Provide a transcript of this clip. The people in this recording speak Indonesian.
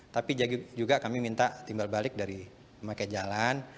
tapi juga kami minta timbal balik dari memakai jalan